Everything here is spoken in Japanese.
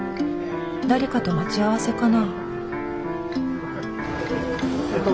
誰かと待ち合わせかな？